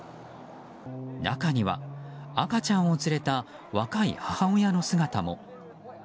中には、赤ちゃんを連れた若い母親の姿も。